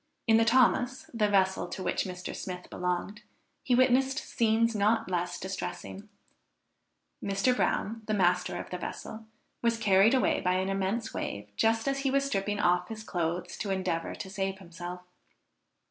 In the Thomas, the vessel to which Mr. Smith belonged, he witnessed scenes not less distressing. Mr. Brown, the master of the vessel, was carried away by an immense wave just as he was stripping off his clothes to endeavor to save himself.